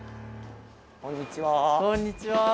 こんにちは。